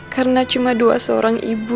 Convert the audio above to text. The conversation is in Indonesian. karena cuma dua seorang ibu